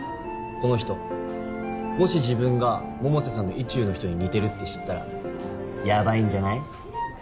この人もし自分が百瀬さんの意中の人に似てるって知ったらヤバいんじゃない？